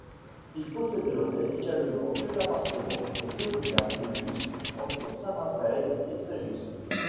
Il possèderait également sept appartements et deux villas de luxe entre Saint-Raphaël et Fréjus.